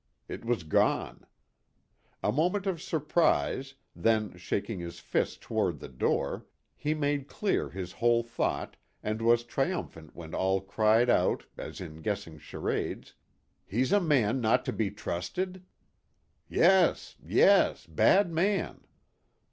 It was gone. A moment of sur prise, then shaking his fist toward the door, he THE GOOD SAMARITAN. 177 made clear his whole thought and was triumph ant when all cried out, as in guessing charades :" He's a man not to be trusted ?" "Yes, yes ; bad man."